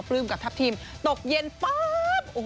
พรึ่งกับทับทีมตกเย็นแปบ